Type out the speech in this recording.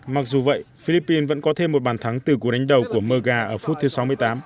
mặc dù vậy philippines vẫn có thêm một bàn thắng từ cuộc đánh đầu của mờ ga ở phút thứ sáu mươi tám